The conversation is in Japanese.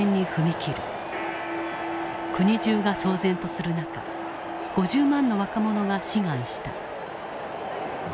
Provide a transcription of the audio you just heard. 国中が騒然とする中５０万の若者が志願した。